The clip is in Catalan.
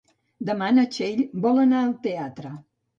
Demà na Txell vol anar al teatre.